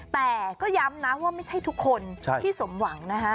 แต่ก็ย้ำนะว่าไม่ใช่ทุกคนที่สมหวังนะฮะ